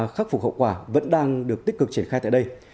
khắc phục hậu quả vẫn đang được tích cực triển khai tại đây